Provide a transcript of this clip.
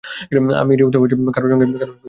আমি রিওতে কারো সঙ্গেই দেখা করছি না।